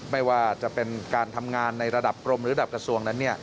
ไม่ว่าจะเป็นการทำงานในระดับกรมหรือระดับกระทรวงนั้น